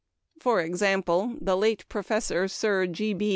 For example, the late Prof. Sir G.